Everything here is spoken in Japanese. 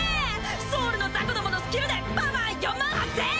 ソウルのザコどものスキルでパワー４８０００！